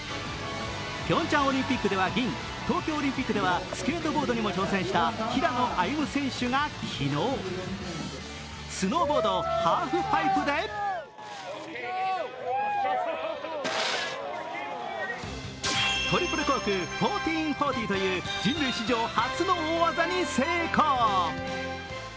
ピョンチャンオリンピックでは銀、東京オリンピックではスケートボードにも挑戦した平野歩夢選手が昨日、スノーボード・ハーフパイプでトリプルコーク１４４０という人類史上初の大技に成功。